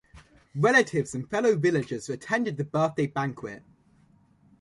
Relatives and fellow villagers attended the birthday banquet.